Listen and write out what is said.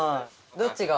どっちが？